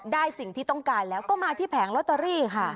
สิ่งที่ต้องการแล้วก็มาที่แผงลอตเตอรี่ค่ะ